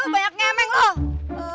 banyak ngemeng lu